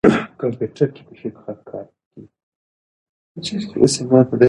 د واک محدودیت د استبداد د مخنیوي وسیله ده